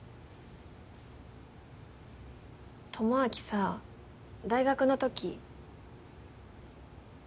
智明さ大学の時。